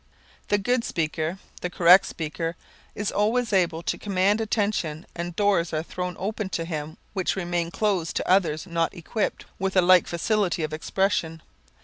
The good speaker, the correct speaker, is always able to command attention and doors are thrown open to him which remain closed to others not equipped with a like facility of expression.